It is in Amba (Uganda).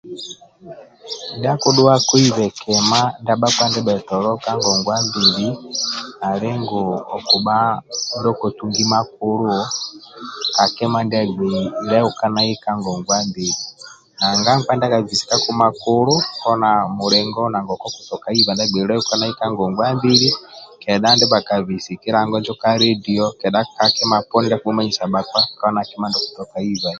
Ndia akidhua koibe kima ndia bhakpa ndibhetolo ka ngongwa ali ngu okubha ndio kotungi makulu ka kima ndia agbei leukanai ka ngongwa mbili nanga nkpa ndia kabikisi kako makulu kona mulingo nangoku okutoka iba makulu ka ngongwa mbili kedha ndia bhakabisi kilango injo ka ledio kedha ka kima poni ndia akibhumanyisa bhakpa kona na kima poni ndio okutoka ibai